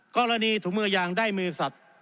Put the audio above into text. กรณีถูกมือยางได้มือศัตริย์